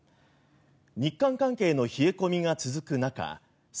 日韓関係の冷え込みが続く中菅